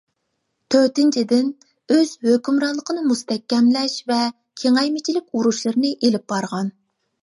تۆتىنچىدىن، ئۆز ھۆكۈمرانلىقىنى مۇستەھكەملەش ۋە كېڭەيمىچىلىك ئۇرۇشلىرىنى ئېلىپ بارغان.